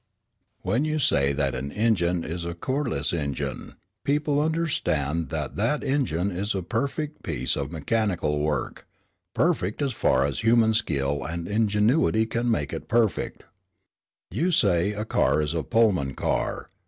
"When you say that an engine is a Corliss engine, people understand that that engine is a perfect piece of mechanical work, perfect as far as human skill and ingenuity can make it perfect. You say a car is a Pullman car.